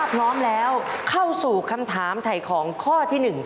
พร้อมแล้วเข้าสู่คำถามถ่ายของข้อที่๑